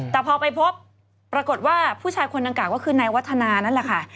แต่พอไปพบปรากฏว่าผู้ชายคนดังกล่าก็คือนายวัฒนานั่นแหละค่ะ